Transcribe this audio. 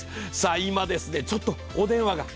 今、ちょっとお電話が。